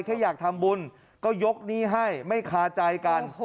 แค่อยากทำบุญก็ยกหนี้ให้ไม่คาใจกัน